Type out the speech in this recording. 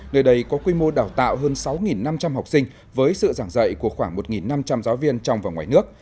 nơi đây có quy mô đào tạo hơn sáu năm trăm linh học sinh với sự giảng dạy của khoảng một năm trăm linh giáo viên trong và ngoài nước